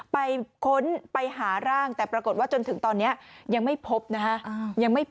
ค้นไปหาร่างแต่ปรากฏว่าจนถึงตอนนี้ยังไม่พบนะฮะ